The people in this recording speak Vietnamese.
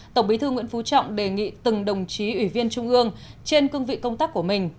tổng bí thư nguyễn phú trọng đề nghị từng đồng chí ủy viên trung ương trên cương vị công tác của mình